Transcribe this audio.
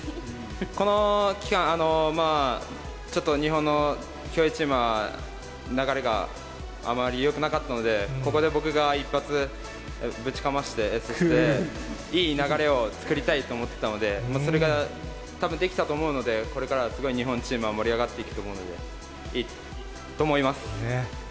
この期間、ちょっと日本の競泳チームは、流れがあまりよくなかったので、ここで僕が一発ぶちかまして、そしていい流れを作りたいと思ってたので、それがたぶんできたと思うので、これからはすごい日本チームは盛り上がっていくと思うので、いいと思います。